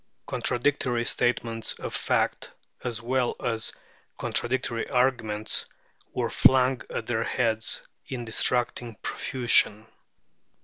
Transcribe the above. Contradictory statements of fact, as well as contradictory arguments, were flung at their heads in distracting profusion.